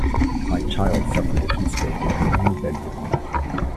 My child suffered a heat stroke in her own bedroom.